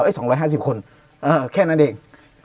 เอ๊ะ๒๕๐คนแค่นั้นเอง